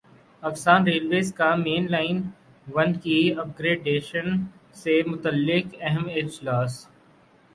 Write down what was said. Pakistan railways کا main line one کی upgradation سے متعلق اہم اجلاس